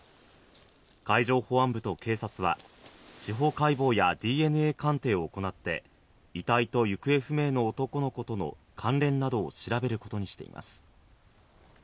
海上保安部と警察は司法解剖やＤＮＡ鑑定を行って遺体と行方不明の男の子との関連などを調べることにしています。